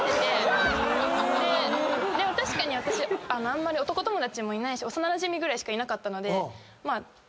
あんまり男友達もいないし幼なじみぐらいしかいなかったので。